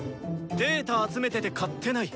データ集めてて買ってない。